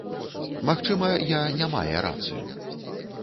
Магчыма, я не мае рацыю.